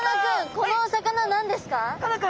このお魚なんですか？